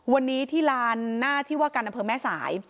วันนี้ที่ลานหน้าที่ว่าการอำเภอแม่สาย